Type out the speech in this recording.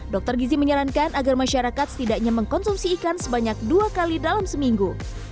dr gizi menyarankan agar masyarakat setidaknya mengkonsumsi ikan sebanyak dua kali dalam seminggu